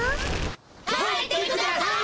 帰ってください！